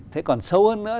thế còn sâu hơn nữa